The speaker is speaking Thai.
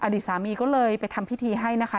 อดีตสามีก็เลยไปทำพิธีให้นะคะ